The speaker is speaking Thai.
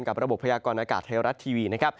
กับระบบพยากรอากาศไทยรัตน์ทีวีนะครับ